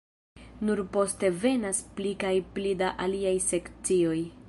Nur poste venas pli kaj pli da aliaj sekcioj.